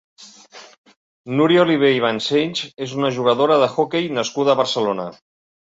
Núria Olivé i Vancells és una jugadora d'hoquei nascuda a Barcelona.